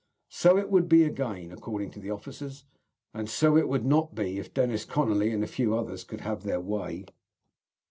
So it would be again, according to the officers, and so it would not be if Dennis Conolly and a few others could have their way.